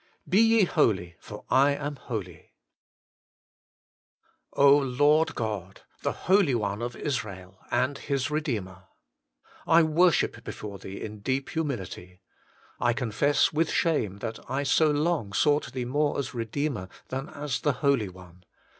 BE YE HOLY, FOR I AM HOLY. HOLINESS AND REDEMPTION. 53 Lord God ! the Holy One of Israel and his Eedeemer ! I worship before Thee in deep humility. I confess with shame that I so long sought Thee more as the Eedeemer than as the Holy One.